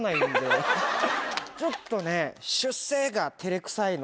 ちょっとね。